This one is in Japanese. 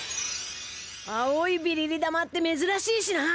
青いビリリダマって珍しいしな。